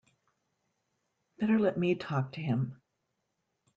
Better let me talk to him.